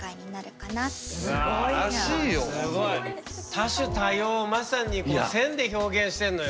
多種多様をまさにこの線で表現してんのよ。